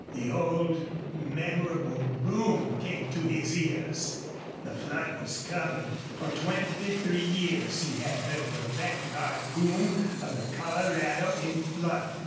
The old memorable boom came to his ears. The flood was coming. For twenty three years he had heard the vanguard boom of the Colorado in flood.